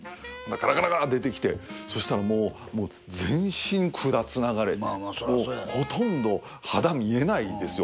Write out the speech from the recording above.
ガラガラガラ出てきてそしたらもう全身管つながれてもうほとんど肌見えないですよ